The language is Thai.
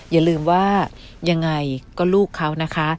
อย่าลืมว่ายังไงก็ลูกเขานะคะ